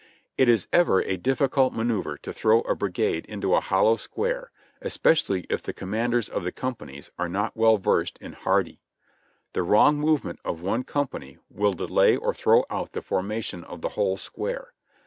It is ever a difficult manoeuvre to throw a brigade into a hollow square, especially if the com manders of the companies are not well versed in "Hardee;" the wrong movement of one company will delay or throw out the formation of the whole square.